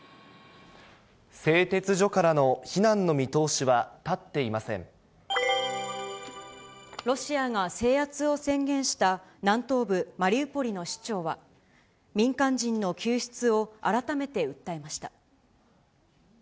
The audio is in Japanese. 製鉄所からの避難の見通しはロシアが制圧を宣言した、南東部マリウポリの市長は、民間人の救出を改めて訴えました。